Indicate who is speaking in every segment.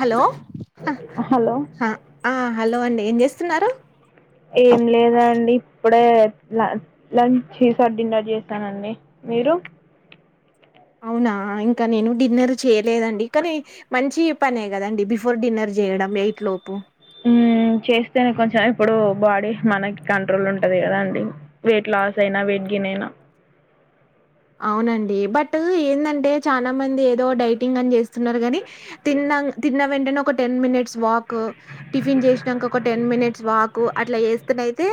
Speaker 1: Hello
Speaker 2: hello
Speaker 1: ఆ hello అండి ఏం చేస్తున్నారు
Speaker 2: ఏం లేదండి ఇప్పుడే ల లంచ్ చేశా డిన్నర్ చేశానండి మీరు
Speaker 1: అవునా ఇంకా నేను డిన్నర్ చేయలేదండి కానీ మంచి పనే కదండి బిఫోర్ డిన్నర్ చేయడం ఎయిట్ లోపు
Speaker 2: ఉ చేస్తేనే కొంచెం అప్పుడు బాడీ మనకి కంట్రోల్ ఉంటుంది కదండి వెయిట్ లాస్ అయినా వెయిట్ గెయిన్ అయినా
Speaker 1: అవునండి బట్ ఏందంటే చాలా మంది ఏదో డైటింగ్ అని చేస్తున్నారు కాని తి ఆ తిన్న వెంటెనే ఒక టెన్ మినిట్స్ వాక్ టిఫిన్ చేసిన్నంక ఒక టెన్ మినిట్స్ వాకు అట్లా చేస్తేనయితే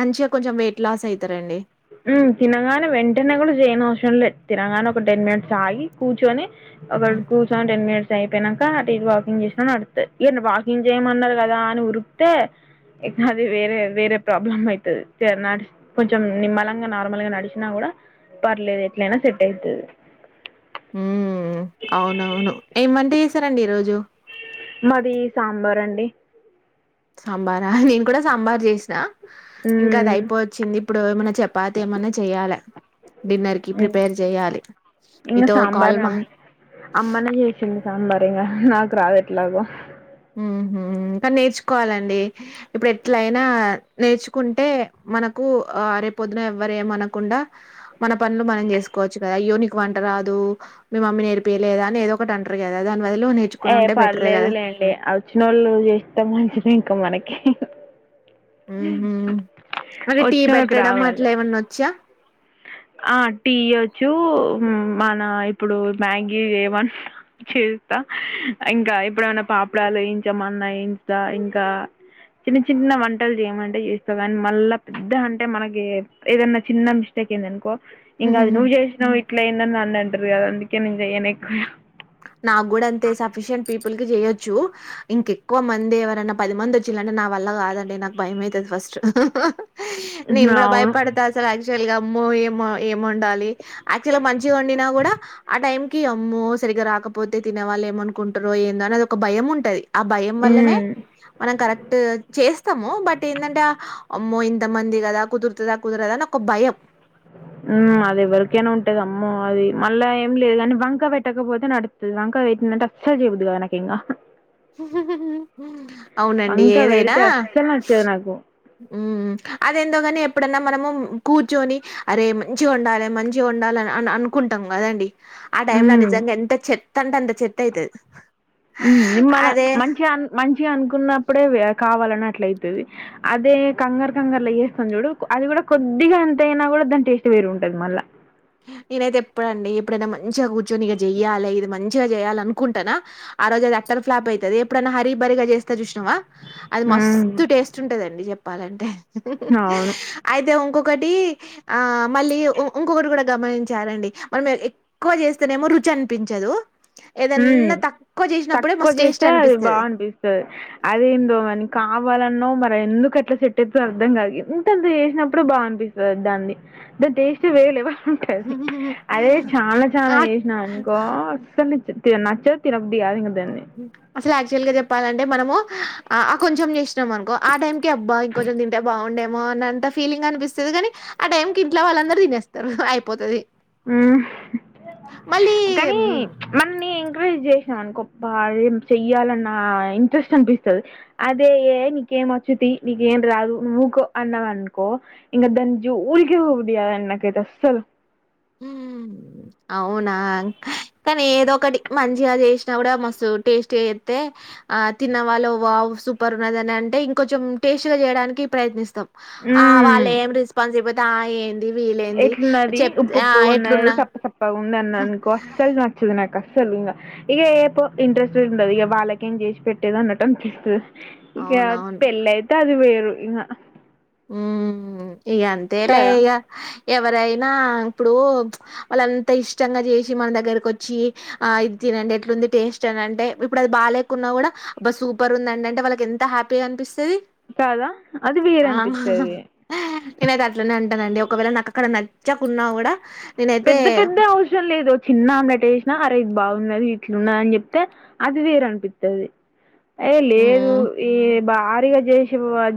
Speaker 1: మంచిగా కొంచెం వెయిట్ లాస్ అయితారండి
Speaker 2: ఉ తినగానే వెంటనే కూడా చేయనవసరం లే తినగానే ఒక టెన్ మినిట్స్ ఆగి కూర్చుని అల
Speaker 1: ఉమ్,
Speaker 2: కూర్చొని ఒక టెన్ మినిట్స్ అయిపోయినాక అటు ఇటు వాకింగ్ చేసినా నడుస్తది ఇగ వాకింగ్ చేయమన్నారు కదా అని ఊరుకుతే అది వేరే వేర ప్రాబ్లమ్ ఐతది సరేనా కొంచెం నిమ్మళంగా నార్మల్ గా నడిచినా కూడా పర్లేదు ఎట్లయినా సెట్ అవుతది
Speaker 1: ఉ అవునవును ఏం వంట చేసారండి ఈరోజు
Speaker 2: మాది సాంబార్ అండి
Speaker 1: సాంబారా నేను కూడా సాంబార్ చేసినా ఇంకా అది
Speaker 2: హ్మ్.
Speaker 1: అయిపో వచ్చింది ఇప్పుడు ఏమన్నా చపాతి ఏమన్నా చెయాలా డిన్నర్ కి
Speaker 2: హ్మ్.
Speaker 1: ప్రిపేర్ చెయాలి
Speaker 2: ఇంగ
Speaker 1: నీతో కాల్
Speaker 2: సాంబార్
Speaker 1: మా
Speaker 2: అమ్ అమ్మనే చేసింది సాంబర్ ఇగ నాకు రాదు ఎట్లాగ
Speaker 1: హు హు ఇంకా నేర్చుకోవాలండి ఇప్పుడు ఎట్లయినా నేర్చుకుంటే మనకు ఆ రేపు పొద్దున్న ఎవరు ఏమనకుండా మన పనులు మనం చేసుకోవచ్చు కదా అయ్యో నీకు వంట రాదు అమ్మ నేర్పియలేదా అని ఏద ఒకటి అంటారు కదా అ
Speaker 2: ఏ పర్లేదులేండి వచ్చినోళ్ళు చేస్తే మంచిదే ఇంకా మనకి
Speaker 1: ఉహు మరి టీ
Speaker 2: వచ్చినొలకి
Speaker 1: పెట్టడం
Speaker 2: రావాలి
Speaker 1: అట్లా ఏమన్నా వచ్చా
Speaker 2: ఆ టీ వచ్చు మన ఇప్పుడు మ్యాగీ చేమన్న చేస్తా ఇంకా ఇప్పుడు అన్నా పాప్ డాలు వేయించమ అన్నా వేయించుతా ఇంకా చిన్న చిన్న వంటలు చేయమంటే చేస్తా కాని మళ్ళా పెద్ద అంటే మనకి ఏదన్నా చిన్న మిస్టేక్ స్టెక్ అనుకో ఇంగ అది నువ్వు చేసినావ్ ఇట్లా అయింది అని నన్నే అంటారు కదా అందుకే నేను చెయ్యను ఎక్కువ
Speaker 1: నాక్ కూడా అంతే సఫిషింట్ పీప్ సింపుల్గ చేయొచ్చు ఇంక ఎక్కువ మంది ఎవరైనా పది మంది వచ్చిం లంటే నా వల్ల కాదండి నాకు భయం అయితంది ఫస్ట్ షు నేను కూడా
Speaker 2: అవును
Speaker 1: భయపడతా అసలు యాక్చువల్ గా అమ్మో ఏమోో ఏమ్ వండాలి యాక్చుల్గా మంచిగా వండినా కూడా ఆ టైమ్ కి అమ్మో సరిగ్గా రాకపోతే తిన వాళ్ళు ఏమనుకుంటారో ఏందో అనేది ఒక భయం ఉంట అది ఆ భయం వల్లనే మనం కరెక్ట్ చే స్త్ స్తాము బట్ ఏందఅంటే అమ్మో ఇంతమంది కదా కుదురుతుందా కుదరదా అని ఒక భయం
Speaker 2: మ్ అది ఎవరికైనా ఉంటద అమ్మో అది మళ్ళా ఏం లేదు కానీ వంక పెట్టకపోతే నడుత్తది వంక పెట్ ఇలాంట అసల్ చేయబుద్ధి కాదు నాకు ఇంగా
Speaker 1: అవునండి
Speaker 2: వంక పేడితే అసల్ నచ్చదు నాకు
Speaker 1: మ్మ్ అదేందోగాని ఎప్పుడ అన్నా మనము కూర్చొని అరే మంచిగా వండాలే మంచిగా వండాల అ అనుకుంటాం కద అండి ఆ టైమ్ లో
Speaker 2: హ్మ్.
Speaker 1: నిజంగా ఎంత చెత్త అంటే అంత చెత్త అయితది
Speaker 2: ఉమ్ మళ్ళా మంచి అ మంచి అనుకున్న అప్పుడే కావాలని అట్ల అయితది అదే కంగారు కంగార్లో వేస్తాం చూడు అది కూడా కొద్దిగా ఎంత అయినా కూడా దాని టేస్ట్ పేరు ఉంటది మళ్ళా
Speaker 1: హ నేనైతే ఎప్పుడ్ అండి ఎప్పుడైనా మంచిగా కూర్చొనిక చెయ్యాలి ఇది మంచిగా చేయాలి అనుకుంటానా ఆ రోజే దో అట్ట తర్ ఫ్లాప్ అయితది ఎప్పుడు అన్నా హరిీ బరిగా చేస్తా జూష్ తువ అది
Speaker 2: హ్మ్.
Speaker 1: మస్తు టేస్ట్ ఉంటంద అండి చెప్పాల అంటే
Speaker 2: అవును.
Speaker 1: అయితే ఇంకొక్ ఒకటి ఆ మళ్ళీ ఇంకొ ఒకటి కూడా గమనించారఅండి మనం ఎక్కువ చేస్తేనేమో రుచి అనిపించదు
Speaker 2: హ
Speaker 1: ఏదన్నా తక్కువ చేసినప్పుడే
Speaker 2: తక్కువ
Speaker 1: మస్తు టేస్ట్
Speaker 2: చేస్తే అది
Speaker 1: అనిపిస్తది
Speaker 2: బాగా అనిపిస్తది అది ఏందోమని కా ఆ వల మరి ఎందుకు అట్లా చెట్టెత్తు అర్థం కాదు ఇంత ద్ చేసిన అప్పుడు బా అనిపిస్తుంది అండి దాన్ని దిస్ డే పిస్ట్ వేలేవ ఉంటంది అదే చాలా చాలా
Speaker 1: ఆ
Speaker 2: చేసినా అనుకో అస్సల్ నీత్ ఇగ నచ్చద్ తినబుద్ధి కాదు ఇంకదగ్
Speaker 1: అసలు యాక్చువల్ గా చెప్పాల అంటే మనము ఆ కొంచెం చేసినాం అనుకో ఆ టైం కే అబ్బా ఇంకో లడ్డుల్ తింటే బావుండేమో అన్న అంత ఫీలింగ్ అనిపిస్తుది గాని ఆ టైం కి ఇంట్లో వాళ్ళందరు తినేస్తారు అయిపోత అది
Speaker 2: మ్ కనీ
Speaker 1: హ్మ్,
Speaker 2: మనల్ని ఎం క్రేరేజ్ చేష్ అనుకోక్ ప్పాయి ఏమ్ చెయాల అన్న ఇంట్రెస్ట్ అనిపిస్తది అదే నీకేమ్ వచ్చిద్ది ఈ నీకే ఏమ్ రాదు వూకో అన్నవనుకో ఇంకా దాని జోల్ కి పోబుద్ధి కాద్ అసల్ సలూ
Speaker 1: మ్ అవునా కానీ ఏదో ఒకటి మంచిగా చేసినా కూడా మస్తు ఉంటాయి టేస్ట్ చేస్తే ఆ తిన్నవాళ్ళు వావో సూపర్ ఉన్నద అని అంటే ఇంకొంచెం టేస్టీ గా చేయడానికి ప్రయత్నిస్తాం ఆ
Speaker 2: హ్మ్
Speaker 1: వాళ్ళే ఏమ్ రెస్పాన్స్బు అయితే ఆ ఏంది వీల్లేంది చెప్ ఆ
Speaker 2: పుప్పుగున్నాయి
Speaker 1: ఎట్లున్నా
Speaker 2: చప్ప సప్పగా ఉంది అన్నా అనుకో అసలు నచ్చలే నాకు అసలు ఇంక ఇక ఏ పో ఇంట్రెస్ట్ ఉండదు ఇక వాళ్ళకేం చేసి పెట్టేది అన్నట్టు అనిపిస్తది ఇక
Speaker 1: అవునవును
Speaker 2: పెళ్ళ అయితే అది వేరు ఇకా
Speaker 1: హ్మ్ ఇగ అంతే లే
Speaker 2: కదా
Speaker 1: ఇగ ఎవరైనా ఇప్పుడు వాళ్ళ అంత ఇష్టంగా చేసి మన దగ్గరకు వచ్చి ఆ ఇట్ చూడంఅండి ఎట్లు ఉంది టేస్ట్ అని అంటే ఇప్పుడు అది బాలేకున్నా కూడా బా సూపర్ ఉంది అండి అంటే వాళ్ళకి ఎంత హ్యాపీగా అనిపిస్తది
Speaker 2: కాదా అది వేరే అనిపిత్తఅది
Speaker 1: నేన అయితే అట్లానే ఉంటాన అండి ఒకవేళ నాకు అక్కడ నచ్చాకున్నా కూడా నేనైతే
Speaker 2: పెద్ద పెద్ద అవసరం లేదుో చిన్న ఆమ్లెట్ ఏసినా అరే ఇది బావు ఉన్నది ఇట్లు ఉన్నా న్ అని చెప్తే అది వేరు అనిపిస్తది ఏ లేదు
Speaker 1: హ్మ్
Speaker 2: ఏ భారీగా చేస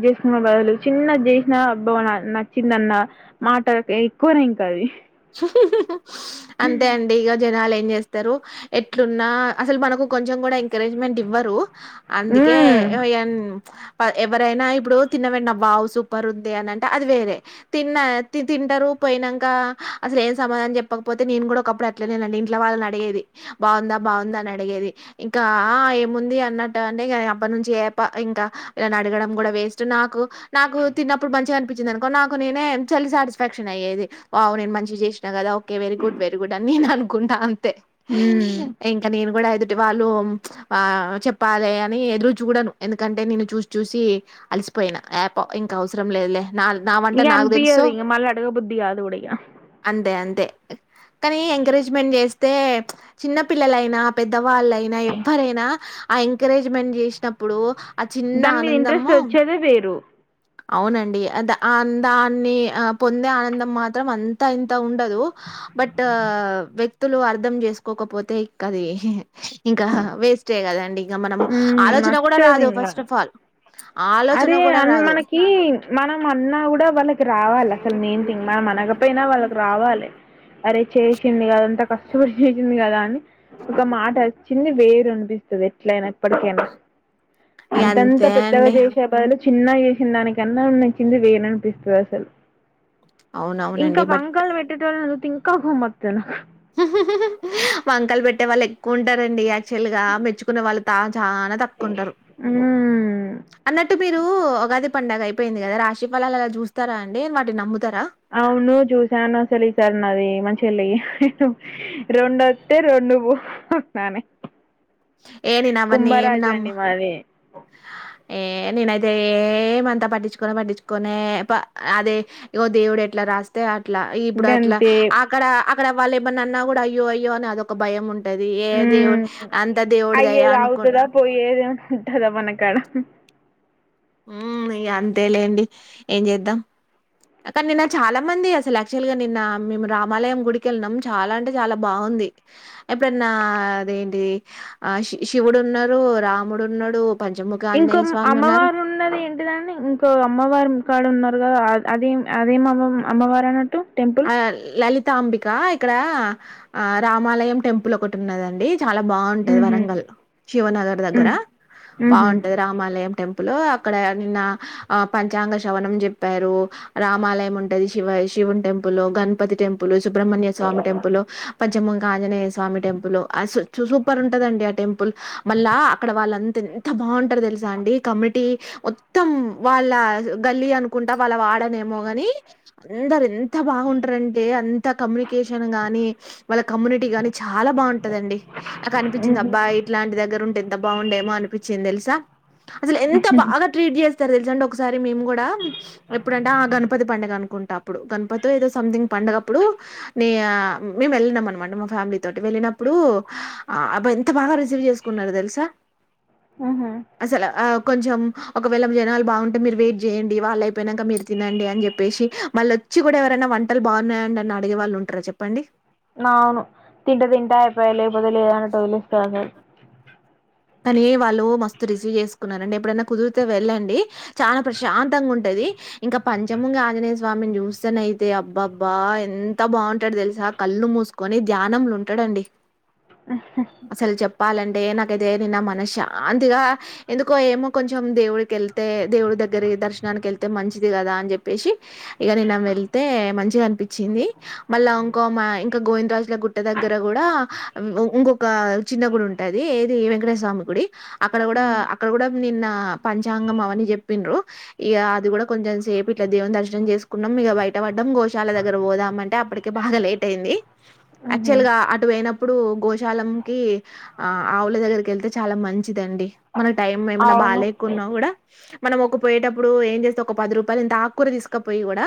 Speaker 2: చేసుకున్న బదులు చిన్న చేసిన నచ్చిందన్న మాట త ఎక్కువ తింటాది
Speaker 1: అంతే అండి ఇక జనాలే ఏస్తరు ఎట్లున్నా అసలు మనకు కొంచెం కూడా ఎంకరేజ్మెంట్ ఇవ్వరు అందుకే
Speaker 2: మ్మ్
Speaker 1: ఎన్ ఎవరైనా ఇప్పుడు తిన్న వెడి వావ్ సూపర్ ఉంది అని అంటే అది వేరే తిన్న తి తింటరు పోయినంక అసలు ఏం సమాధానం చెప్పకపోతే నేను కూడా ఒకప్పుడు అట్లేనేన అండి ఇంట్లో వాళ్ళని అడిగేది బాగుందా బాగుందా అని అడిగేది ఇంకా ఏముంది అన్నట్టు అంటే అప్ప నుంచి ఏప ఇంకా నను అడగడం కూడా వేస్ట్ నా నా నాకు తిన్నప్పుడు మంచిగా అనిపించింది అనుకో నాకు నేనే చలి సాటిస్ఫాక్షన్ అయ్యేది వావు నేను మంచి సిన కదా okay very good very good అని నేను అనుకుంటాను అంతే
Speaker 2: మ్మ్
Speaker 1: ఇంకా నేను కూడా ఎదుటి వాళ్ళు చెప్పాలి అని ఎదురు చూడను ఎందుకంటే నేను చూసి చూసి అద్ అలిసిపోయినా యాపో ఇంకా అవసరం లేదులే నా నా వంట
Speaker 2: ఇగ
Speaker 1: నాకు తెలుసు
Speaker 2: అనిపించదు ఇ మళ్ళ అడగ బుద్ధి కూడా కాదు ఇగ
Speaker 1: అంతే అంతే కానీ ఎంకరేజ్మెంట్ చేస్తే చిన్న పిల్లలైనా పెద్దవాళ్ళైనా ఎవ్వరైనా ఆ ఎంకరేజ్మెంట్ చేసినప్పుడు ఆ చిన్న
Speaker 2: దాని మీద ఇంట్రెస్ట్
Speaker 1: ఆనందము
Speaker 2: వచ్చేదే వేరు
Speaker 1: అవునండి అద ఆన్ దాన్ని ఆ పొందే ఆనందం మాత్రం అన్ ఇంత ఇంత ఉండదు బట్ వ్యక్తులు అర్ధం చేసుకోకపోతే ఇక అది ఇంకా వేస్టే కదండి ఇంకా మనము
Speaker 2: మ్మ్
Speaker 1: ఆలోచన కూడా
Speaker 2: నచ్చదు
Speaker 1: రాదు
Speaker 2: ఇంగ
Speaker 1: ఫస్ట్ ఆఫ్ ఆల్ ఆలోచన
Speaker 2: అరే
Speaker 1: గూడా
Speaker 2: అ
Speaker 1: రాదు.
Speaker 2: మనకి మనం అన్నా కూడా వాళ్ళకి రావాలి అసలు మెయిన్ థింగ్ మనం అనగా పోయినా వాళ్ళకి రావాలి అరే చేసింది కదంతా కష్టపడి చేసింది కదా అని ఒక మాట వచ్చింది వేరు అనిపిస్తుంది ఎట్లయినా ఎప్పటికైనా
Speaker 1: ఇగ
Speaker 2: అంతంత
Speaker 1: అంతే
Speaker 2: పెద్దగా
Speaker 1: అండి.
Speaker 2: చేస్ చిన్నగా చేసిన దానికన్నా ఉ నచ్చింది వేన అనిపిస్తది అసలు ఇంకా
Speaker 1: అవునవునండి. బట్
Speaker 2: బంగాల్ పట్టేటోళ్లు తింక హు మధ్యలో
Speaker 1: వంకలు పెట్టే వాళ్ళు ఎక్కువ ఉంటారండి యాక్చువల్ గా మెచ్చుకునే వాళ్ళు తా చానా తక్కుంటారు
Speaker 2: మ్మ్
Speaker 1: అన్నట్టు మీరు అది పండుగ అయిపోయింది కదా రాశి ఫలాలు అలా చూత్తారా అండి వాటిను నమ్ముతారా
Speaker 2: అవును చూశాను అసలు ఈ సారి నాది మంచెళ్ళి రోండొత్తే రొ నువ్వు ననే
Speaker 1: ఏని నవన్నీ ఏం నమ్
Speaker 2: అండి మాది
Speaker 1: ఏ నేనైతే ఏమంతా పట్టించుకనే పట్టించుకనే అదే ఇగో దేవుడే ట్లా రాస్తే ఆ అట్లా ఇప్పుడు అట్లా
Speaker 2: గంతే
Speaker 1: అక్కడ అక్కడ వాళ్ళు ఇమన్నా అన్నా కూడా అయ్యో అయ్యో అని అదొక భయం ఉన్ ఉంటది ఏ
Speaker 2: మ్మ్
Speaker 1: దేవుడు అంత దేవుడి దయ అనుకును
Speaker 2: దా మనకాడ
Speaker 1: ఉ అంతే లేండి ఏం చేద్దాం అక్క నిన్న చాలా మంది అసలు యాక్చువల్ గా నిన్న మేము రామాలయం గుడికి వెళ్ళనాం చాలా అంటే చాలా బాగుంది ఎప్పుడన్నా అదేంటి ఆ శి శివుడు ఉన్నాడు రాముడు ఉన్నాడు పంచముఖ
Speaker 2: ఇంకో
Speaker 1: ఆంజనేయ స్వామి ఉన్నారు
Speaker 2: అమ్మవారు ఉన్నది ఏంటిదని ఇంకో అమ్మవారు ఉ కాడ ఉన్నారు కదా అదే అదే అమ్మ అమ్మవారని
Speaker 1: ఆ లలిత అంబిక ఇక్కడ ఆ రామాలయం టెంపుల్ ఒకటి ఉన్నదండి చాలా బాగుంటది
Speaker 2: ఊహూ
Speaker 1: వరంగల్ శివనగర్ దగ్గర
Speaker 2: మ్మ్ ఊహూ
Speaker 1: బాగుంటది రామాలయం టెంపుల్ లో అక్కడ నిన్న ఆ పంచాంగ శవణం చెప్పారు రామాలయం ఉంటది Shiva Shiva temple Ganapati temple Subrahmanya Swamy temple పచ్చమంగ ఆంజనేయ స్వామి టెంపుల్ సూపర్ ఉంటదండి ఆ టెంపుల్ మళ్ళా అక్కడ వాళ్ళంతా ఎంత బాగుంటారు తెలుసా అండి కమిటీ మొత్తం వాళ్ళ గల్లీ అనుకుంటా వాళ్ళ వా ఆడనేమో కాని అందరు ఎంత ఎంత బాగుంటరంటే అంత కమ్యూనికేషన్ గానీ వాళ్ళ కమ్యూనిటీ గాని చాలా బాగుంటదండి నాకు అనిపించింది అబ్బా ఇట్లాంటి దగ్గర ఉంటే ఎంత బాగుండేమో అనిపించింది తెలుసా అ ఎంత బాగా ట్రీట్ చే తెలుసండి ఒకసారి మేము కూడా ఎప్పుడుంటే ఆ గణపతి పండడుగ అనుకుంట అప్పుడు గణప తపోతే ఏదో సంథింగ్ పండగప్పుడు నే మేము వెళ్ళినం అనమాట మా ఫ్యామిలీ తోటి వెళ్ళినప్పుడు అబ ఎంత బాగా రిసీవ్ చేసుకున్నారు తెలుసా
Speaker 2: ఊహూ
Speaker 1: అసలు కొంచెం ఒకవేళ జనాలు బాగుంటే మీరు వెయిట్ చేయండి వాళ్ళు అయిపోయినాక మీరు తినండి అని చెప్పేసి మళ్ళీ వచ్చి కూడా ఎవరైనా వంటలు బాగున్నాయండి అని అడిగేవాళ్ళవుటారా చెప్పండి
Speaker 2: ఎవలు అ [unintelligible]
Speaker 1: కానీ వాళ్ళు మస్తు రిసీవ్ చేసుకున్నారంండి ఎప్పుడైనా కుదిరితే వెళ్ళండి చాలా ప్రశాంతంగా ఉంటుది ఇంకా పంచముంగి ఆంజనేయ స్వామిని చూస్తాన అయితే అబ్బా అబ్బా ఎంత బాగుంటాడు తెలుసా కళ్ళు మూసుకొని ధ్యానలు ఉంటాడండి అసలు చెప్పాలంటే నాకైతే అదే నిన్న మన శాంతిగా ఎందుకో ఏమో కొంచెం దేవుడికి వెళ్తే దేవుడి దగ్గరి దర్శనానికి ళ్తే మంచిది కదా అని చెప్పేసి ఇక నిన్న వెళ్తే మంచిగా అనిపించింది మళ్ళా ఇంక మా ఇంకా గోవిందరాజుల గుట్ట దగ్గర కూడా ఇంకొక చిన్న గుడి ఉంటది వెంకట స్వామి గుడి అక్కడ కూడా అక్కడ కూడా నిన్న పంచాంగం అవని చెప్పిన్రు ఇక అది కూడా కొంచెం సేపు ఇట్లా దేవుం దర్శనం చేసుకున్నాం ఇక బయట పడ్డంం గోశాల దగ్గర పోదాం అంటే అప్పక బా బాగా లేట్ అయింది
Speaker 2: ఊహూ
Speaker 1: యాక్చువల్ గా అటు పోయినప్పుడు గోశాలంకి ఆ ఆవుల దగ్గరికి వెళ్తే చాలా మంచిదండి మన టైం ఏమైన్నా
Speaker 2: అవును
Speaker 1: బాగాకున్నా కూడా మనం ఒక పోయేటప్పుడు ఏం చేస్తే ఒక పది రూపాయలు ఇంత ఆకూర తీసుకపోయి కూడా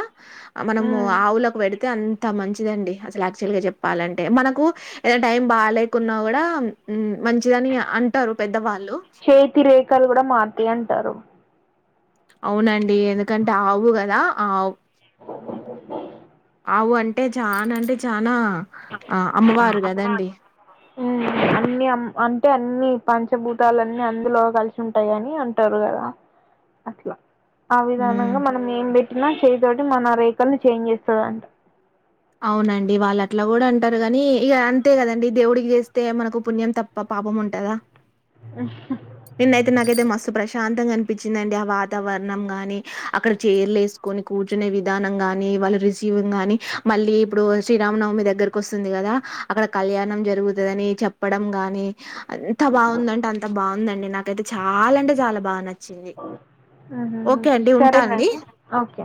Speaker 1: మనము
Speaker 2: మ్మ్
Speaker 1: ఆవు లో పెడితే అంత మంచిదండి అసలు యాక్చువల్ గా చెప్పాలంటే మనకు ఏదనా టైం బాగా లేకున్నా కూడా మంచిదని అంటారు పెద్దవాళ్ళు
Speaker 2: చేతి రేఖలు కూడా మరూతాయి అంటారు
Speaker 1: అవునండి ఎందుకంటే ఆవు కదా ఆవు అవు అంటే చాన అంటే చానా అమ్మవారు కదండి
Speaker 2: ఉ అన్ని అంటే అన్ని పంచభూతాలన్ని అందులో కలిసి ఉంటాయి అని అంటారు కదా అట్ల ఆ
Speaker 1: హ్మ్.
Speaker 2: విధానంగా మనం ఏం పెట్టినా చే తోటి మన రేఖలు చేంజ్ చేస్తుందింట
Speaker 1: అవునండి వాళ్ళు అట్లా కూడా అంటారు కాని ఇక అంతే కదండి దేవుడికి చేస్తే మనకు పుణ్యం తప్ప పాపం ఉంటుందా
Speaker 2: హ్మ్ హ్మ్
Speaker 1: ం అయితే నాకైతే మస్తు ప్రశాంతంగా అనిపించిందండి ఆ వాతావరణం ని అక్కడ చీర్లు వేసుకొని కూ కూర్చునే విధానం ని వాళ్ళ రిసీవింగ్ గాని మళ్ళీ ఇప్పుడు శ్రీరామనవమి దగ్గరకి వస్తుంది కదా అక్కడ కళ్యాణం జరుగుతుందిని చెప్పడం గాని అంత బాగుందంటే అంత బాగుందండి నాకైతే చాలా అంటే చాలా బాగా నచ్చింది
Speaker 2: హ్మ్
Speaker 1: ఓకే అండి. ఉంటా అండి.
Speaker 2: సరేనండి ఓకే